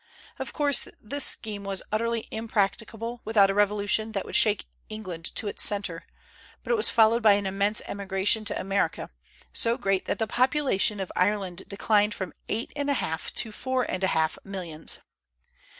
Of course, this scheme was utterly impracticable without a revolution that would shake England to its centre; but it was followed by an immense emigration to America, so great that the population of Ireland declined from eight and a half to four and a half millions.